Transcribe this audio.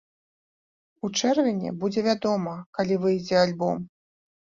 У чэрвені будзе вядома, калі выйдзе альбом.